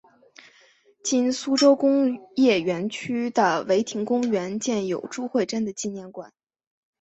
今苏州工业园区的唯亭公园建有朱慧珍的纪念馆。